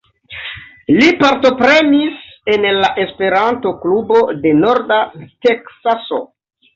Li partoprenis en la Esperanto Klubo de Norda Teksaso.